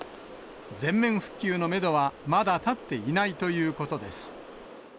全面復旧のメドはまだ立っていないということです。